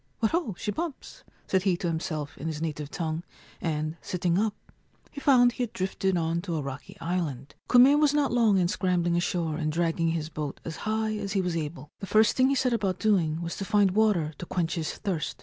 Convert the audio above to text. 4 What ho, she bumps !' said he to himself in his native tongue, and, sitting up, he found he had drifted on to a rocky island. Kume was not long in scrambling ashore and dragging his boat as high as he was able. The first thing he set about doing was to find water to quench his thirst.